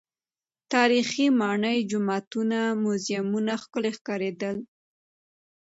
تاریخي ماڼۍ، جوماتونه، موزیمونه ښکلي ښکارېدل.